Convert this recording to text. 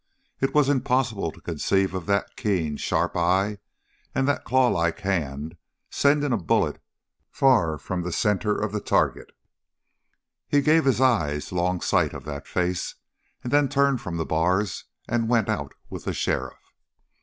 It was impossible to conceive of that keen, sharp eye and that clawlike hand sending a bullet far from the center of the target. He gave his eyes long sight of that face, and then turned from the bars and went out with the sheriff.